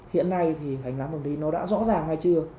hiện nay thì hành lang pháp lý nó đã rõ ràng hay chưa